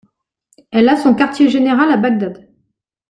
Elle a son quartier général à Bagdad.